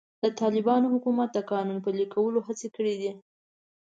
د طالبانو حکومت د قانون پلي کولو هڅې کړې دي.